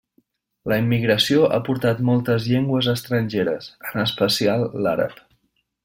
La immigració ha portat moltes llengües estrangeres, en especial l'àrab.